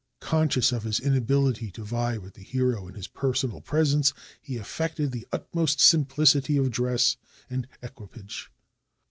Conscious of his inability to vie with the hero in his personal presence, he affected the utmost simplicity of dress and equipage.